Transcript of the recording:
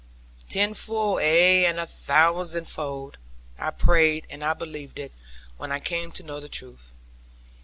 Tenfold, ay and a thousandfold, I prayed and I believed it, when I came to know the truth.